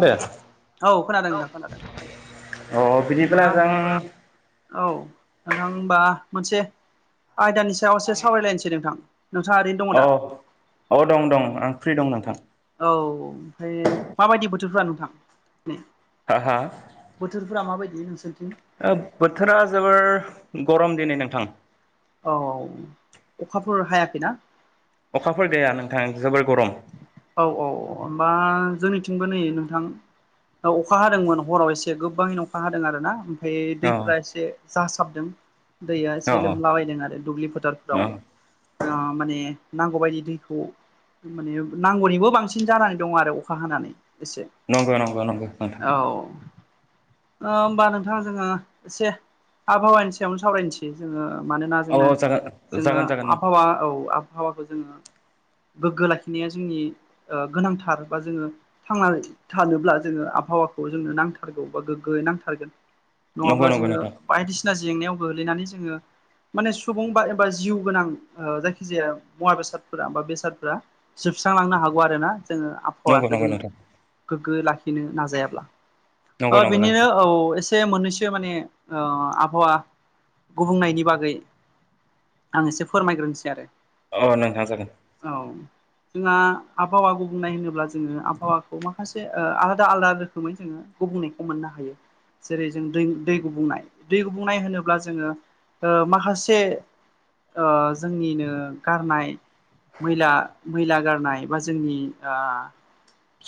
दे औ खोनादों नोंथां खोनादों अ होमबा बिदिब्ला जों औ नोंथां हबा मोनसे आयदानि स सायाव एसे सावरायलायनोसै नोंथां नोंथा ओरैनो दङ औ दा? औ दं दं आं फ्रि दं नोंथां। औ ओमफ्राय माबायदि बोथोरफोरा नोंथां? हा हा? बोथोरफ्रा माबायदि नोंसोरनिथिं? ओ बोथोरा जोबोर गरम दिनै नोंथां। औ अखा फोर हायाखैना? अखा फोर गैया नोंथां जोबोर गरम। औ औ होमबा जोंनिथिंबो नै नोंथां ओ अखा हादोंमोन हराव एसे गोबाङैनो अखा हादों आरो ना। ओमफ्राय औ दैफ्रा एसे जासाबदों। दैया औ एसे लोमलाबायदों आरो दुब्लि औ फोथारफोराव माने नांगौबायदि दैखौ माने नांगौनिबो बांसिन जानानै दङ आरो अखा हानानै। एसे नंगौ नंगौ नंगौ नोंथां औ होमबा नोंथां जोङो एसे आबहावानि सायावनो सावरायनोसै जोङो मानोना अ जोङो जोङो जागोन जागोन आबहावा औ आबहावाखौ जोङो गोग्गो लाखिनाया जोंनि गोनांथार बा जोङो थांनानै थानोब्ला जोङो आबहावाखौ जोंनो नांथारगौ बा गोग्गो नांथारगोन। नङाब्ला जागोन जोङो नोंथां बायदिसिना जेंनायाव गोग्लैनानै जोङो माने सुबुं बा एबा जिउ गोनां ओ जायखिजाया मुवा बेसादफोरा बा बेसाद फोरा जोबस्रांलांनो हागौ आरोना जोङो नंगौ नंगौ नोंथां नंगौ आबहाखौ जों नोंथां गोग्गो लाखिनो नाजायाब्ला। नंगौ ओ नंगौ बिनिनो नोंथां औ एसे ससे मोननैसो माने ओ आबहावा गुबुंनायनि बागै आं एसे फोरमायग्रोनोसै आरो। अ नोंथां जागोन। औ जोंहा आबहावा गुबुंनाय होनोब्ला जोङो आबहावाखौ माखासे ओ आलादा आलादा रोखोमै जोङो गुबुंनायखौ मोननो हायो। जेरै जों दै दै गुबुंनाय दै गुबुंनाय होनोब्ला जोङो ओ माखासे ओ जोंनिनो गारनाय मैला मैला गारनाय बा जोंनि ओ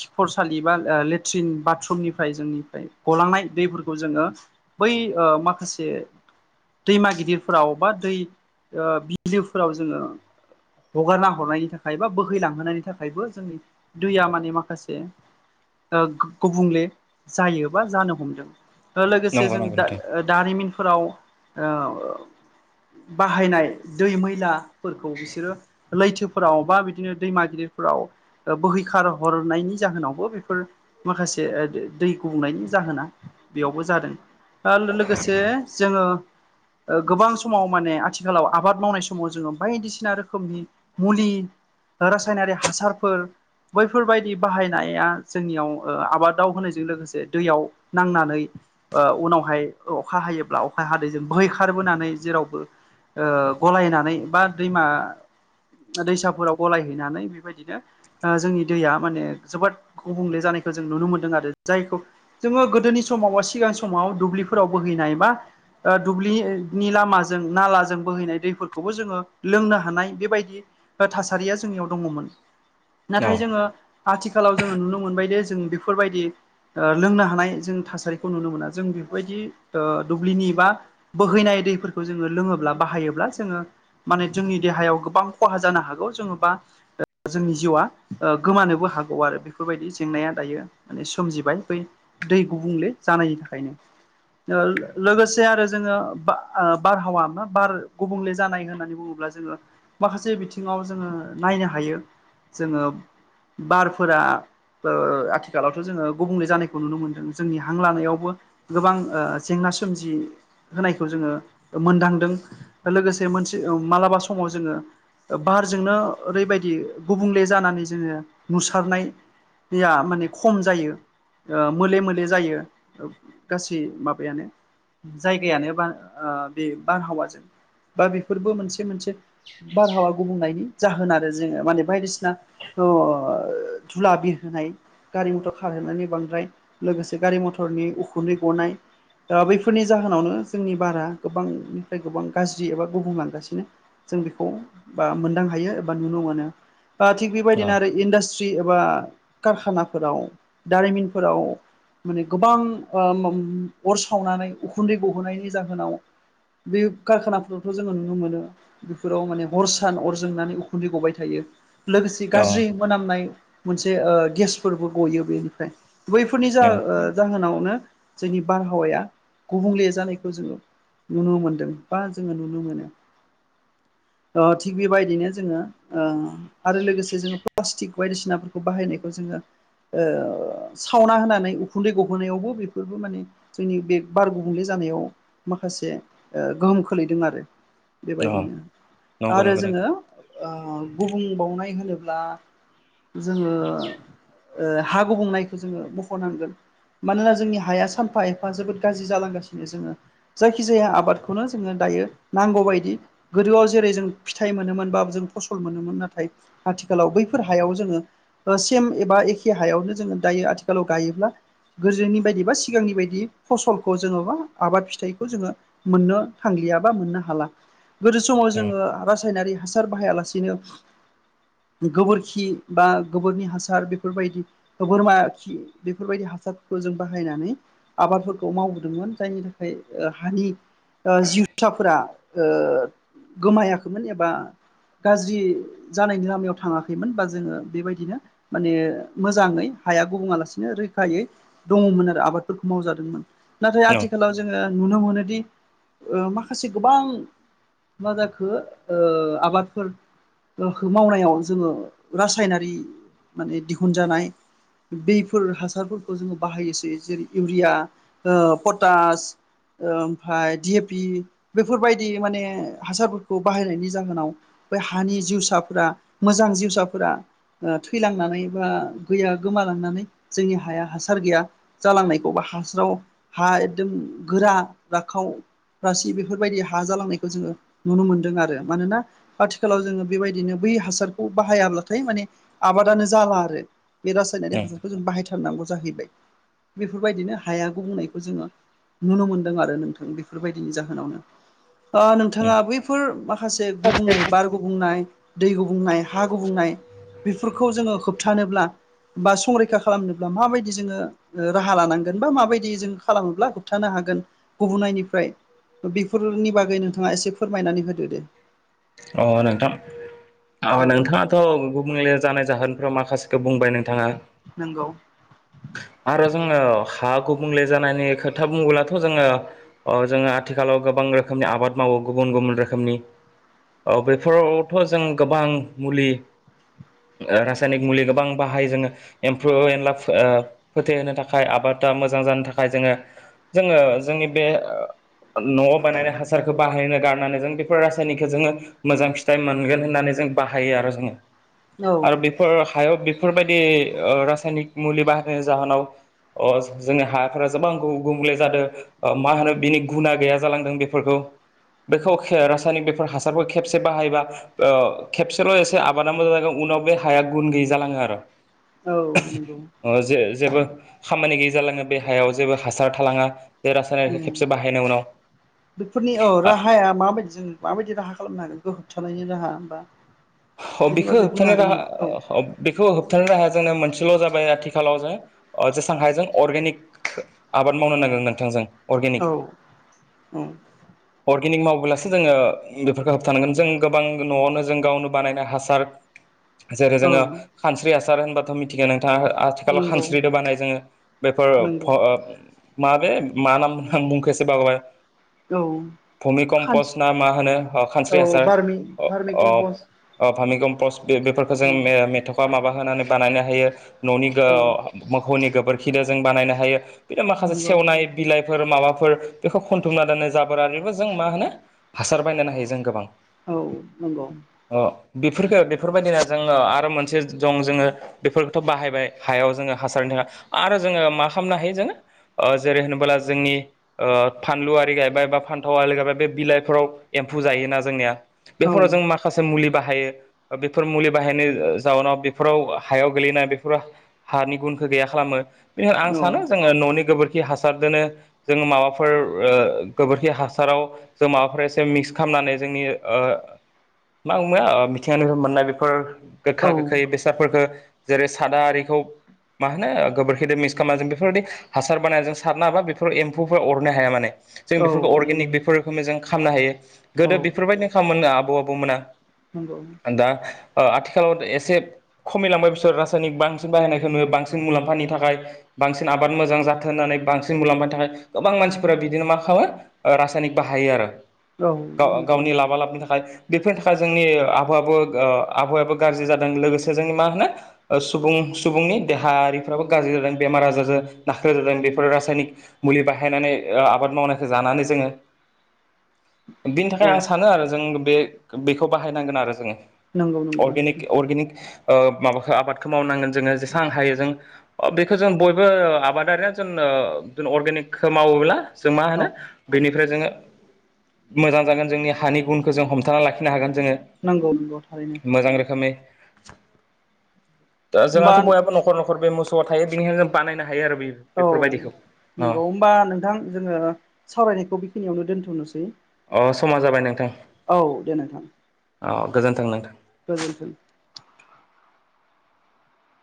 खिखरसालि बा ओ लेट्रिन बाथरुमनिफ्राय जोंनिफ्राय गलांनाय दैफोरखौ जोङो बै ओ माखासे दैमा गिदिरफोराव बा दै ओ बिलोफोराव जोङो हगारना हरनायनि थाखाय बा बोहैलांहोनायनि थाखायबो जोंनि दैया माने माखासे ओ गुबुंले जायो बा जानो हमदों लोगोसे नंगौ जों नंगौ दा नोंथां ओ दारिमिनफोराव ओ बाहायनाय दै मैलाफोरखौ बिसोरो लैथो फोराव बा बिदिनो दैमा गिदिरफोराव बोहैखार हरनायनि जाहोनावबो बेफोर माखासे दै गुबुंनायनि जाहोना बेयावबो जादों। आरो लोगोसे जोङो ओ गोबां समाव माने आथिखालाव आबाद मावनाय समाव जोङो बायदिसिना रोखोमनि मुलि रासायनारि हासारफोर बैफोरबायदि बाहायनाया जोंनियाव ओ आबादाव होनायजों लोगोसे दैयाव नांनानै ओ उनावहाय अखा हायोब्ला अखा हादैजों बोैखारबोनानै जेरावबो ओ गलायनानै बा दैमा दैसाफोराव गलायहैनानै बेबायदिनो ओ जोंनि दैया माने जोबोद गुबुंले जानायखौ जों नुनो मोनदों आरो जायखौ जोङो गोदोनि समाव बा सिगांनि समाव दुब्लिफोराव बोहैनाय बा ओ दुब्लिनि लामाजों नालाजों बोहैनाय दैफोरखौबो जोङो लोंनो हानाय बेबायदि ओ थासारिया जोंनियाव दङ'मोन औ नाथाय जोङो आथिखालाव जोङो नुनो मोनबायदि जों बेफोरबायदि ओ लोंनो हानाय जों थासारिखौ नुनो मोना जों बेफोरबायदि ओ दुब्लिनि बा बोहैनाय दैफोरखौ जोङो लोङोब्ला बाहायोब्ला जोङो माने जोंनि देहायाव गोबां खहा जानो हागौ। जोंङो बा जोंनि जिउआ ओ गोमानोबो हागौ आरो बेफोरबायदि जेंनाया दायो। माने सोमजिबाय बै दै गुबुंले जानायनि थाखायनो। ओ लोगोसे आरो जोङो बारहावा मा बार गुबुंले जानाय होननानै बुङो ब्ला जोङो माखासे बिथिङाव जोङो नायनो हायो। जोङो बारफोरा ओ आथिखालावथ' जोङो गुबुंले जानायखौ नुनो मोनदों जोंनि हां लानायावबो गोबां ओ जेंना सोमजि होनायखौ जोङो मोनदांदों लोगोसे मोनसे मालाबा समाव जोङो ओ बाहारजोंनो ओरैबायदि गुबुंले जानानै जोङो नुसारनाय दैया माने खम जायो। ओ मोले मोले जायो गासै माबायानो। जायगायानो बा ओ बे बारहावाजों बा बेफोरबो मोनसे मोनसे बारहावा गुबुंनायनि जाहोन आरो जोङो माने बायदिसिना ओ धुला बिरहोनाय गारि मथर खारहैनायनि बांद्राय लोगोसे गारि मथरनि उखुन्दै गनाय दा बैफोरनि जाहोनावनो जोंनि बारा गोबांनिफ्राय गोबां गाज्रि एबा गुबुंलांगासिनो। जों बेखौ बा मोनदां हायो एबा नुनो मोनो। थिग औ बेबायदिनो आरो इडास्ट्रि ट्रि एबा कारखानाफोराव, दारिमिनफोराव माने गोबां अर सावनानै उखुन्दै गहोनायनि जाहोनाव बे कारखानाफोरखौावथ' जोङो नुनो मोनो। फोराव माने हर सान अर जोंनानै उखुन्दै गबाय थायो। लोगोसे औ गाज्रि मोनामनाय मोनसे गेसफोरबो गयो बेनिफ्राय। बैफोरनि जा औ जाहोनावनो जोंनि बारहावाया गुबुंले जानायखौ जोङो नुनो मोनदों बा जोङो नुनो मोनो। थिग बेबायदिनो जोङो आरो लोगोसे जोङो प्लास्टिक बायदिसिनाफोरखौ बाहायनायखौ जोङो सावना होनानै उखुन्दै गबोनायावबो बेफोरबो माने जोंनि बे बार गुबुंले जानायाव माखासे गोहोम खोलैदों आरो। औ बेबायदिनो नंगौ आरो नंगौ जोङो नोंथां गुबुंबावनाय होनोब्ला जोङो हा गुबुंनायखौ जोङो मख'नांगोन। मानोना जोंनि हाया सानफा एफा जोबोद गाज्रि जालांगासिनो। जोङो जायखिजाया आबादखौनो जोङो गायो नांगौबायदि। गोदोआव जेरै जों फिथाइ मोनोमोन बा जों फसल मोनोमोन। नाथाय आथिखालाव बैफोर हायाव जोङो सेम एबा एखे हायावनो जोङो दायो आथिखालाव गायोब्ला गोजोनि बायदि बा सिगांनि बायदि फसलखौ जोङो बा आबाद फिथाइखौ जोङो मोननो थांलिया बा मोननो हाला। गोदो समाव जोङो रासायनारि हासार बाहायालासिनो गोबोरखि बा गोबोरनि हासार बेफोरबायदि बोरमा खि बेफोरबायदि हासारफोरखौ जों बाहायनानै आबादफोरखौ मावबोदोंमोन। जायनि थाखाय हानि जिउसाफोरा गोमायाखैमोन एबा गाज्रि जानायनि लामायाव थाङाखैमोन बा जोङो बेबायदिनो माने मोजाङै हाया गुबुङा लासिनो रैखायै दङमोन आरो आबादफोरखौ मावजादोंमोन। नाथाय आथिखालाव जोङो नुनो मोनोदि माखासे गोबां मा जाखो आबादफोर मावनायाव जोङो रासायनारि माने दिहुनजानाय बफोर हासारफोरखौ जोङो बाहायोसै जेरै इउरिया पटास ओमफाय डि ए पि बेफोरबायदि माने हासारफोरखौ बाहायनायनि जाहोनाव बै हानि जिउसाफोरा मोजां जिउसाफोरा ओ थैलांनानै बा गैया गोमालांनानै जोंनि हाया हासार गैया। जालांनायखौ बा हास्राव हा एकदम गोरा राखाव। रासि बेफोरबायदि हा जालांनायखौ जोङो नुनो मोनदों आरो मानोना आथिखालाव जोङो बेबायदिनो बै हासारखौ बाहायाब्लाथाय माने आबादानो जाला आरो बे रासायनारि हासारखौ जों बाहायथारनांगौ जाहैबाय। बेफोरबायदिनो हाया गुबुंनायखौ जोङो नुनो मोनदों आरो नोंथां बेफोरबायदिनि जाहोनावनो। ओ नोंथां बिथाङा बैफोर माखासे गुबुंनाय बार गुबुंनाय दै गुबुंनाय हा गुबुंनाय बेफोरखौ जोङो होबथानोब्ला बा संरैखा खालामनोब्ला माबायदि जोङो राहा लानांगोन बा माबायदि जों खालामोब्ला होबथानो हागोन गुबुनायनिफ्राय बेफोरनि बागै नोंथाङा एसे फोरमायनानै होदो दे। अ नोंथां औ नोंथाङाथ' गुबुंले जानाय जाहोनफ्राव माखासेखौ बुंबाय नों थाङा नंगौ आरो जोङो हा गुबुंले जानायनि खोथा बुङोब्लाथ' जोङो अ जोङो आथिखालाव गोबां रोखोमनि आबाद मावो गुबुन गुबुन रोखोमनि औ बेफोरावथ' जों गोबां मुलि। रासायनिक मुलि गोबां बाहायो जोङो एम्फौ एनला ओ फोथेहोनो थाखाय आबादा मोजां जानो थाखाय जोङो जोङो जोंनि बे न'आव बानायनानै हासारखौ बाहायनो गारनानै जों बेफोर रासायनिकखो जोङो मोजां फिथाइ मोनगोन होननानै जों बाहायो आरो जोङो औ आरो बे फोर हायाव बेफोरबायदि ओ रासायनिक मुलि बाहायनायनि जाहोनाव अ जोंनि हाफोरा गोबां गुबुंले जादों। मा होनो बिनि गुना गैया जालांदों बेफोरखौ बेखौ रासायनिक बेफोर हासार खेबसे बाहायबा। ओ खेबसेल' एसे आबादा मोजां जागोन उनाव बे हाया गुन गैयै जालाङो आरो। औ नंगौ। ओ जे जेबो खामानि गैयै जालाङो बे हायाव जेबो हासार थालाङा। बे रासायनारिखौ खेबसे बाहायनाय उनाव बेफोरनि औ राहाया माबायदि माबायदि राहा खालामनो हागोन गोहोबथानायनि राहा बा बेनि बेखौ बागै बुंनो होबथानो हागोन नामा औ राहा बेखौ होबथानो राहाया जोंनो मोनसेल' जाबाय आथिखालाव जों ओ जेसां हाय जों अर्गेनिक आबाद मावनो नांगोन नोंथांजों अर्गेनिक। उ। अर्गेनिक मावबोलासो जोङो बेफोरखौ होबथानांगोन जों गोबां न'आवनो जों गावनो बानायनाय हासार जेरै जोङो औ खानस्रि हासार होनबाथ [unintelligible] नोंथाङा आथिखालाव नंगौ खानस्रिदो बानायो जोङो बेफोर नंगौ [unintelligible] माबे मा नाम आं बुंखोसो बावबाय औ भुमि खानस कम्पस्टना मा होनो औ खानस्रि हासार बारमि बारमि अ कम्पस ओ पामि कमपस्ट बे बेफोरखौ जों औ मेथ'खाआ माबा होनानै बानायनो हायो न'नि औ [unintelligible] मोखौनि गोबोरखिजों जों बानायनो हायो बिनो माखासे नंगौ सेवनाय। बिलाइफोर माबाफोर बेखौ खनथुमना दोननाय जाबोर आरो बेबो जों मा होनो हासार बानायनो हायो जों गोबां। औ नंगौ। अ बेफोरफोरखो बेफोरबायदिना जोङो आरो मोनसे दं जोङो बेफोरखौथ' बाहायबाय हायाव जोङो हासारनि थाखाय आरो जोङो मा खालामनो हायो जोङो ओ जेरै होनबोला जोंनि ओ फानलु आरि गायबाय बा फान्थाव आरि गायबाय बे बिलाइफोराव एम्फौ जायोना जोंनिया। औ बेफोराव जों माखासे माखासे मुलि बाहायो बेफोर मुलि बाहायनायनि जाउनाव बेफोराव हायाव गोलैनाय बेफोराव हानि गुनखौ गैया खालामो बेनिखायनो आं औ सानो जोङो न'नि गोबोरखि हासारदो जोङो माबाफोर गोबोरखि हासाराव जों माबाफोर एसे मिक्स खालामनानै जोंनि मा बुंङो मिथिंङानि मोननाय बेफोर औ गोखा गोखै बे फोरफोरखौो जेरै साद आरारिखौ मा होनो गोबोरखिजों मिक्स खालामना जों बेफोरबायदि हासार बानाय जों सारनो हाबा बेफोराव एम्फौफोरा अरनो हाया माने जों औ बेफोरखौ नंगौ अर्गेनिक बेफोर रोखोमै जों खालामनो हायो औ गोदो बेफोरबायदिनो खालामाम मोनो आबौ आबौमोना। नंगौ। दा ओ आथिखालाव एसे खमायलांबाय बिसोर रासायनिक बांसिन बाहायनायखौ नुयो बांसिन मुलाम्फानि थाखाय बांसिन आबाद मोजां जाथों होननानै बांसिन मुलाम्फानि थाखाय गोबां मानसिफोरा बिदिनो मा खालामो ओ रासायनिक बाहायो आरो औ नंगौ गाव-गावनि लाबा लाबनि थाखाय बेफोर ा जोंनि आबहावायाबो आबहावायाबो गाज्रि जादों लोगोसे जोंनि मा होनो? सुबुं सुबुंनि देहायारिफ्राबो गाज्रि जादों बेमार आजारजों नाख्रे जादों बेफोरो रासायनिक मुलि बाहायनानै आबाद मावनायखौ जानानै जोङो बिनि थाखाय औ आं सानो आरो जों बे बेखौ बाहायनांगोन आरो जोङो। नंगौ नंगौ अर्गेनिक अर्गेनिक ओ माबाखौ आबादखौ मावनांगोन जोङो जेसेबां हायो जों। अ बेखौ जों बयबो आबादारिया जों ओ अर्गेनिकखौ मावोब्ला। जों मा होनो औ बेनिफ्राय जोङो मोजां जागोन जोंनि हानि गुनखो जों हमथाना लाखि नो हागोन जोङो। नंगौ नंगौ थारैनो। मोजां रोखोमै दा जोंहाथ' होमबा बयाबो न'खर न'खर बे मोसौ। थ थायो बेनिखाय जों बानायनो हायो आरो बेयो। औ नंगौ होमबा नोंथां जोङो सावरायनायखौ बेखिनियावनो दोनथ'नोसै। अ समा जाबाय नोंथां औ दे नोंथां अ गोजोन्थों नोंथां। गोजोन्थों।